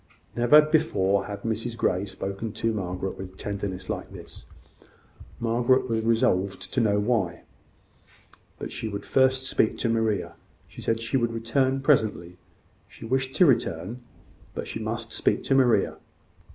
Never before had Mrs Grey spoken to Margaret with tenderness like this. Margaret was resolved to know why now; but she would first speak to Maria. She said she would return presently: she wished to return: but she must speak to Maria.